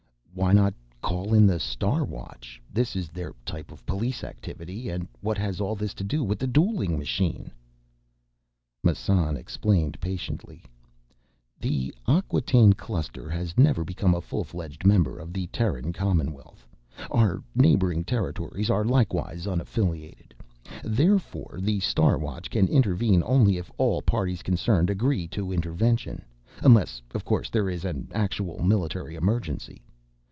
"Why not call in the Star Watch? This is their type of police activity. And what has all this to do with the dueling machine?" Massan explained patiently, "The Acquataine Cluster has never become a full fledged member of the Terran Commonwealth. Our neighboring territories are likewise unaffiliated. Therefore the Star Watch can intervene only if all parties concerned agree to intervention. Unless, of course, there is an actual military emergency.